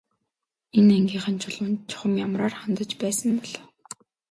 Энэ ангийнхан Чулуунд чухам ямраар хандаж байсан бол оо.